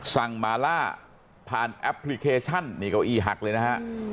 มาล่าผ่านแอปพลิเคชันนี่เก้าอี้หักเลยนะฮะ